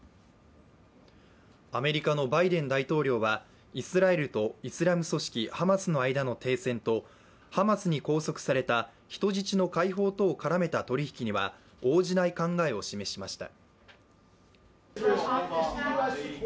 アメリカのバイデン大統領はイスラエルとイスラム組織ハマスの間の停戦とハマスに拘束された人質の解放とを絡めた取り引きには応じない考えを示しました。